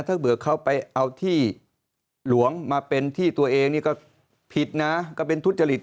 ถ้าเบื่อเขาไปเอาที่หลวงมาเป็นที่ตัวเองนี่ก็ผิดนะก็เป็นทุจริต